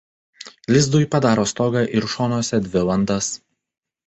Lizdui padaro stogą ir šonuose dvi landas.